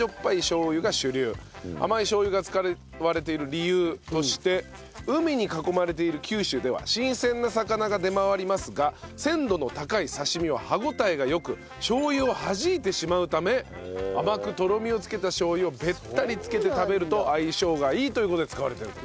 甘いしょう油が使われている理由として海に囲まれている九州では新鮮な魚が出回りますが鮮度の高い刺し身は歯応えが良くしょう油をはじいてしまうため甘くとろみをつけたしょう油をベッタリつけて食べると相性がいいという事で使われていると。